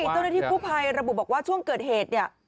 ตอนนี้ที่ผู้ภัยบอกว่าช่วงเกิดเหตุ